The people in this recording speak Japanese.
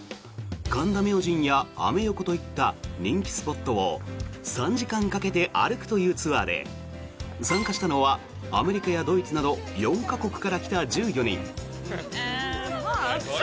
神田明神やアメ横といった人気スポットを３時間かけて歩くというツアーで参加したのはアメリカやドイツなど４か国から来た１４人。